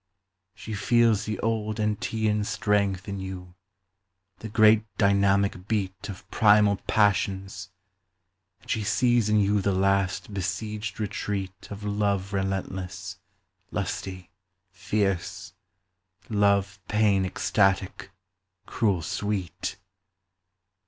She feels the old Antaean strength In you, the great dynamic beat Of primal passions, and she sees In you the last besieged retreat Of love relentless, lusty, fierce, Love pain ecstatic, cruel sweet.